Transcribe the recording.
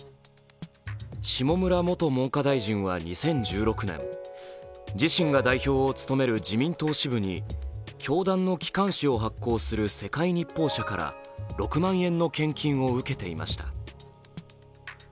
下村元文科大臣は２０１６年、自身が代表を務める自民党支部に教団の機関紙を発行する世界日報社から６万円の献金を受けていました。